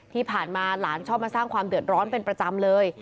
ที่ผ่านมาหลานชอบมาสร้างความเดือดร้อนเป็นประจำเลย